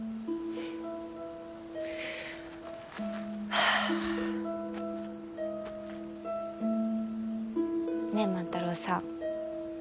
はあ。ねえ万太郎さん。